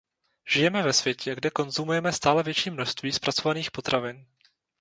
Žijeme ve světě, kde konzumujeme stále větší množství zpracovaných potravin.